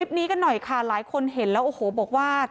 นี้กันหน่อยค่ะหลายคนเห็นแล้วโอ้โหบอกว่า